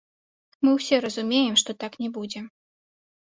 Мы ўсе разумеем, што так не будзе.